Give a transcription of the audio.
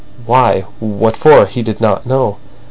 Why—what for? He did not know.